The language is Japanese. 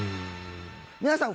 皆さん